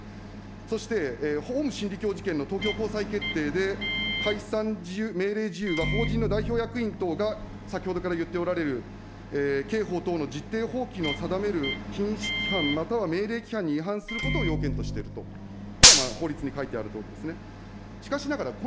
そして、オウム真理教事件の東京高裁決定で、解散命令事由は法人の代表役員等が先ほどから言っておられる刑法等の実定法規の定める禁止規範または命令規範に違反することを要件としていると、これは地方に書いてあるとおりですね。